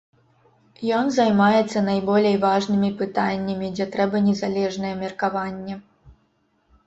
Ён займаецца найболей важнымі пытаннямі, дзе трэба незалежнае меркаванне.